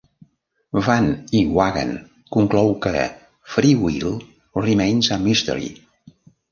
Van Inwagen conclou que "Free Will Remains a Mystery".